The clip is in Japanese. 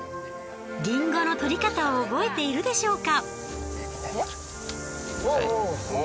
リンゴの取り方を覚えているでしょうか。